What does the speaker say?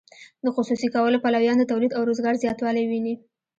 د خصوصي کولو پلویان د تولید او روزګار زیاتوالی ویني.